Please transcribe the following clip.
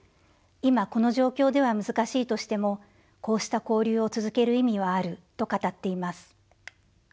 今この状況では難しいとしてもこうした交流を続ける意味はある」と語っています。